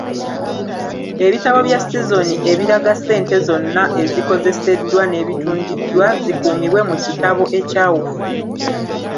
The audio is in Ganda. Ebitabo bya sizoni ebiraga ssente zonna ezikozeseddwa n’ebitundiddwa zikuumibwe mu kitabo ekyawufu.